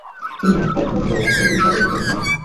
তিনি নারীত্বের আবরণ পরিত্যাগ করে, পুরুষের পোশাক গ্রহণ করেন।